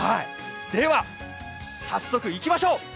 では早速いきましょう。